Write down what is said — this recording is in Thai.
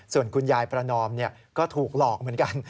ส่วนคุณยายประนอมก็ถูกหลอกเหมือนกัน